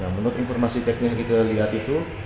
menurut informasi teknis yang kita lihat itu